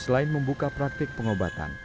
selain membuka praktik pengobatan